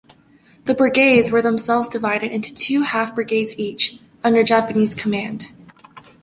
The brigades were themselves divided into two half-brigades each, under Japanese command.